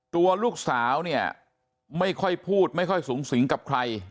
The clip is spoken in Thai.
ตัวลูกสาวเนี่ยไม่ค่อยพูดไม่ค่อยสูงสิงกับใคร